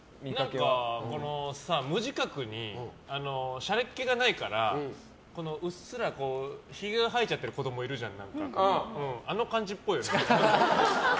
無自覚にしゃれっ気がないからうっすら、ひげが生えちゃってる子供いるじゃん。